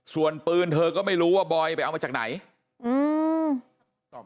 ส่วนปืนเธอก็ไม่รู้ว่าบอยไปเอามาจากไหนอืม